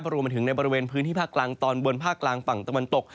รวมไปถึงในบริเวณพื้นที่ภาคกลางตอนบนภาคกลางฝั่งตะวันตก